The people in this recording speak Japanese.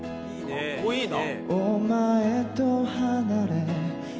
かっこいいな。